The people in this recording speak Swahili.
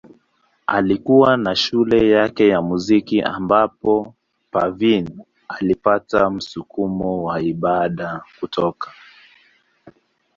Alikuwa na shule yake ya muziki ambapo Parveen alipata msukumo wa ibada kutoka.